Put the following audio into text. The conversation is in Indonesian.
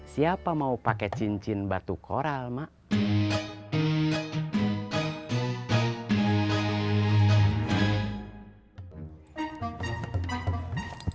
siapa mau pakai cincin batu koral mak